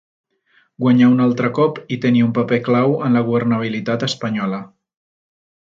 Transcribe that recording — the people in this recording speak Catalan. Guanyar un altre cop i tenir un paper clau en la governabilitat espanyola.